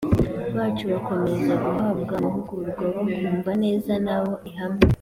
bacu bakomeza guhabwa amahugurwa bakumva neza na bo ihame